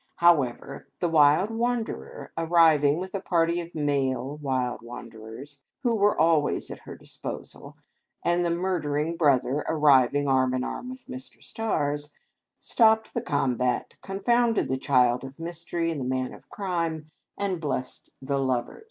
However, the Wild Wanderer, arriving with a party of male wild wanderers, who were always at her disposal — and the murdering brother arriving arm in arm with Mr. Stars — stopped the combat, confounded the Child of Mystery and Man of Crime, and blessed the lovers.